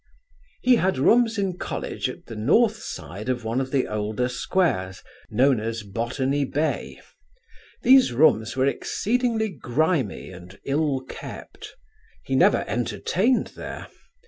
"He had rooms in College at the north side of one of the older squares, known as Botany Bay. These rooms were exceedingly grimy and ill kept. He never entertained there.